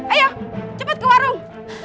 ayo cepet ke warung